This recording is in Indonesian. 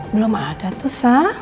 belum ada tuh sa